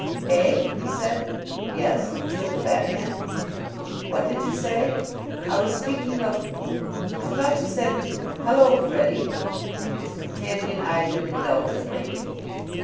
"Eh?" he said. "Yes?" said the fat man. "What did you say?" "I was speaking of " "I thought you said, 'Hello, Freddie!'" His companion eyed him indulgently.